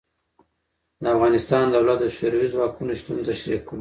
د افغانستان دولت د شوروي ځواکونو شتون تشرېح کړ.